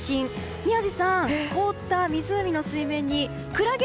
宮司さん凍った湖の水面にクラゲ。